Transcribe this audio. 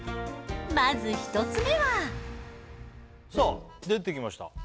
まず１つ目はさあ出てきました